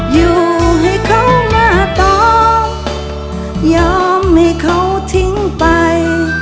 อยู่ให้เขาหน้าตองยอมให้เขาทิ้งไป